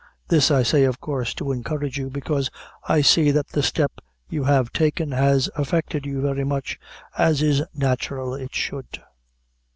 This I say, of course, to encourage you, because I see that the step you have taken has affected you very much, as is natural it should."